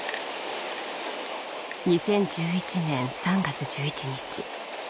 ・２０１１年３月１１日